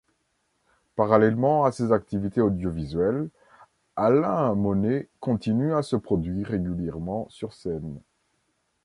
Parallèlement à ses activités audiovisuelles, Alain Monney continue à se produire régulièrement sur scène.